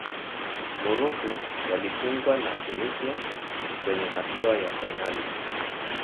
morocco walifungwa na tunisia kwenye hatua ya fainali